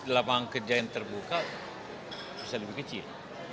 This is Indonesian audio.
lapangan kerja yang terbuka bisa lebih kecil